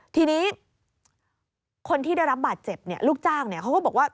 ทีนี้คนที่ได้รับบาดเจ็บลูกจ้างเขาก็บอกว่า